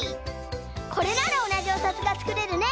これならおなじおさつがつくれるね！